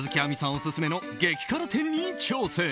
オススメの激辛店に挑戦。